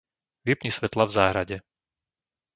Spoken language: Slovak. Vypni svetlá v záhrade.